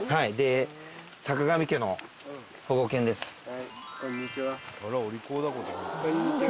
はいこんにちは。